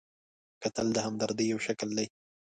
کتل د همدردۍ یو شکل دی